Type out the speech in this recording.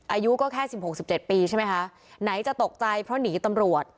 อายุก็แค่สิบหกสิบเจ็ดปีใช่ไหมคะไหนจะตกใจเพราะหนีตำรวจ